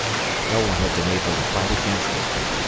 ... No one had been able to fight against it